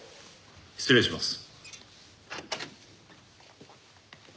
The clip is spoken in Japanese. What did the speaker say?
失礼します。